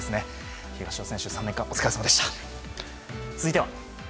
東尾選手３年間お疲れさまでした。